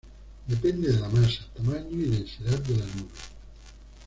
Depende de la masa, tamaño y densidad de la nube.